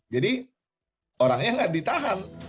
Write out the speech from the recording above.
jadi orangnya nggak ditahan